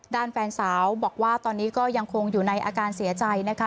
ด้านแฟนสาวบอกว่าตอนนี้ก็ยังคงอยู่ในอาการเสียใจนะคะ